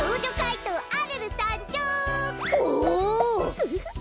フフフッ。